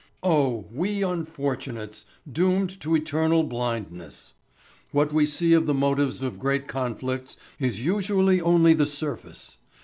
Oh, we unfortunates, doomed to eternal blindness! What we see of the motives of great conflicts is usually only the surface.